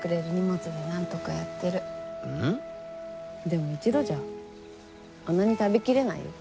でも一度じゃあんなに食べきれないよ。